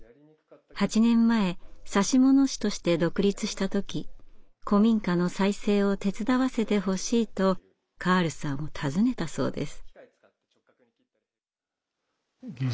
８年前指物師として独立した時「古民家の再生を手伝わせてほしい」とカールさんを訪ねたそうです。